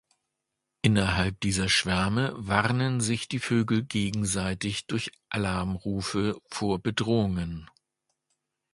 Innerhalb dieser Schwärme warnen sich die Vögel gegenseitig durch Alarmrufe vor Bedrohungen.